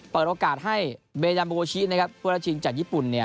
เปิดโอกาสให้เบแยมโบโชี้ปูปฤฤษีจากญี่ปุ่น